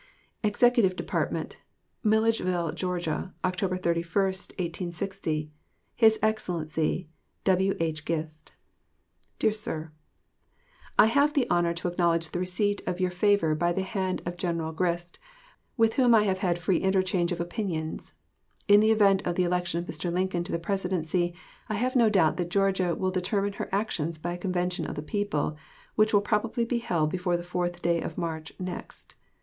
EXECUTIVE DEPARTMENT, MILLEDGEVILLE, GA., Oct. 31, 1860. His EXCELLENCY W.H. GIST. DEAR SIR: I have the honor to acknowledge the receipt of your favor by the hand of General Grist, with whom I have had a free interchange of opinions. In the event of the election of Mr. Lincoln to the Presidency I have no doubt that Georgia will determine her action by a convention of the people, which will probably be held before the 4th day of March next.